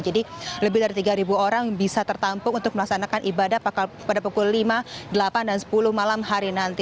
jadi lebih dari tiga orang bisa tertampuk untuk melaksanakan ibadah pada pukul lima delapan dan sepuluh malam hari nanti